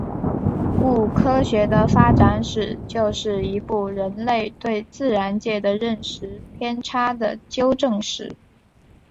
故科学的发展史就是一部人类对自然界的认识偏差的纠正史。